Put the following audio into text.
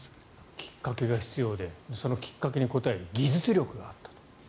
きっかけが必要でそのきっかけに応える技術力があったと。